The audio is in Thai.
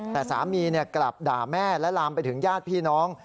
แต่สามีกลับด่าแม่และลามไปถึงญาติพี่น้อง